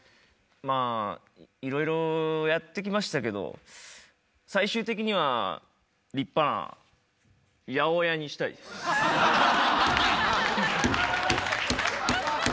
まあいろいろやってきましたけど最終的には立派な八百屋にしたいです。